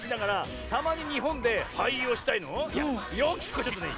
よき子ちょっとね